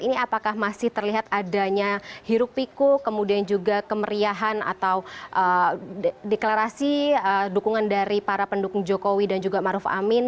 ini apakah masih terlihat adanya hiruk pikuk kemudian juga kemeriahan atau deklarasi dukungan dari para pendukung jokowi dan juga maruf amin